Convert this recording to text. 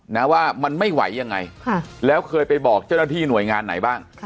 นะว่ามันไม่ไหวยังไงค่ะแล้วเคยไปบอกเจ้าหน้าที่หน่วยงานไหนบ้าง